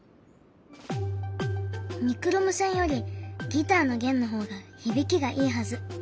ニクロム線よりギターの弦の方が響きがいいはず。